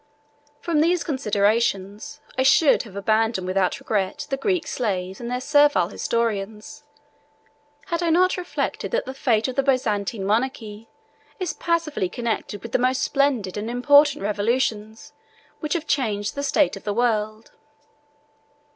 From these considerations, I should have abandoned without regret the Greek slaves and their servile historians, had I not reflected that the fate of the Byzantine monarchy is passively connected with the most splendid and important revolutions which have changed the state of the world.